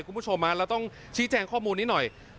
คุณผู้ชมเราต้องชี้แจงข้อมูลนี้หน่อย